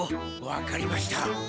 わかりました。